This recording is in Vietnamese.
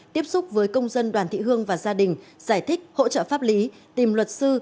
tiếp xúc với công dân đoàn thị hương và gia đình giải thích hỗ trợ pháp lý tìm luật sư